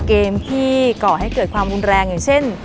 เกมที่ก่อให้เกิดความรุนแรงอย่างเช่น